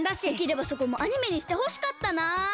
できればそこもアニメにしてほしかったな。